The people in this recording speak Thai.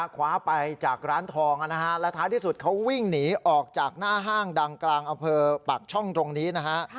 คว้าไปจากร้านทองนะฮะและท้ายที่สุดเขาวิ่งหนีออกจากหน้าห้างดังกลางอำเภอปากช่องตรงนี้นะฮะ